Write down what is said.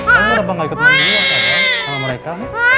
kenapa gak ikut mandi sama mereka